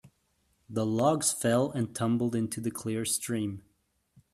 The logs fell and tumbled into the clear stream.